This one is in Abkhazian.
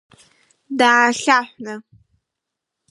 Даахьаҳәны.